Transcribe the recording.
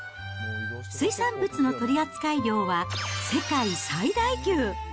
水産物の取り扱い量は、世界最大級。